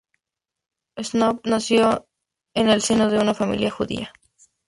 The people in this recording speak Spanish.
Knopf nació en el seno de una familia judía.